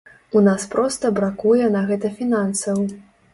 У нас проста бракуе на гэта фінансаў.